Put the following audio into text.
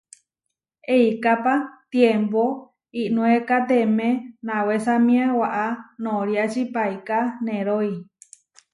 Eikápa tiembo iʼnoekatemé nawésamia waʼá noriači paiká nerói.